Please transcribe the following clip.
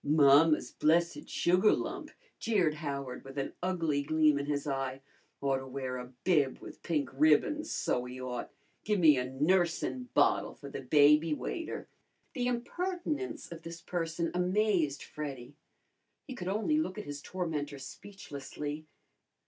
"Mamma's blessed sugar lump!" jeered Howard, with an ugly gleam in his eye. "Ought to wear a bib with pink ribbons, so he ought. Gimme a nursin' bottle for the baby, waiter!" The impertinence of this person amazed Freddy. He could only look at his tormentor speechlessly.